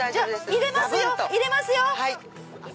入れますよ入れますよ！